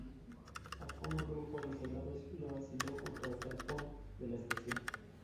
A Font un grupo de soldados lo aisló junto al galpón de la estación.